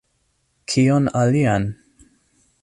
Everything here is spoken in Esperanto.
Kion alian?